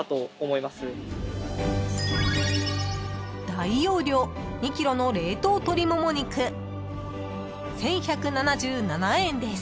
［大容量２ｋｇの冷凍鶏もも肉１，１７７円です］